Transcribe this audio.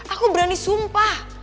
aku berani sumpah